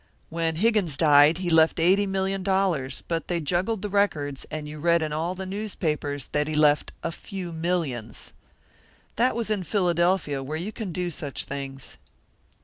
When Higgins died, he left eighty million dollars; but they juggled the records, and you read in all the newspapers that he left 'a few millions.' That was in Philadelphia, where you can do such things."